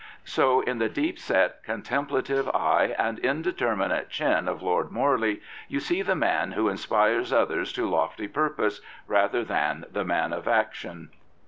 So in the deep set, contemplative eye and indeterminate chin of Lord Morley you see the man who inspires others to lofty purpose, rather than the man of action.